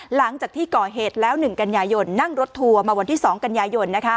หลังจากที่ก่อเหตุแล้ว๑กันยายนนั่งรถทัวร์มาวันที่๒กันยายน